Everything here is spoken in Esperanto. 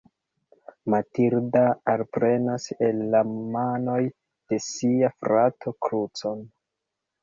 Matilda alprenas el la manoj de sia frato krucon.